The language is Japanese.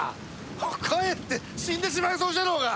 かえって死んでしまいそうじゃろうが！